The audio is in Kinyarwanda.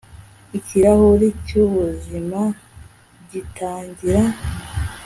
Ikirahuri cyubuzima gitangira